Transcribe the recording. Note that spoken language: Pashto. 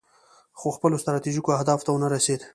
خو خپلو ستراتیژیکو اهدافو ته ونه رسید.